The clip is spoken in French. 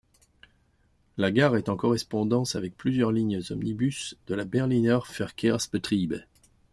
La gare est en correspondance avec plusieurs lignes omnibus de la Berliner Verkehrsbetriebe.